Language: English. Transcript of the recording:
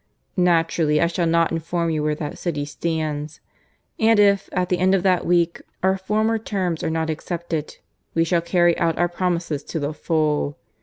(Naturally, I shall not inform you where that city stands.) And if, at the end of that week, our former terms are not accepted, we shall carry out our promises to the full.